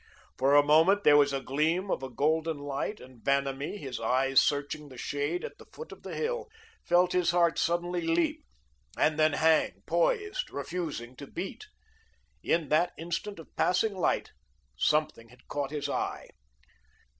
For a moment there was a gleam of a golden light, and Vanamee, his eyes searching the shade at the foot of the hill, felt his heart suddenly leap, and then hang poised, refusing to beat. In that instant of passing light, something had caught his eye.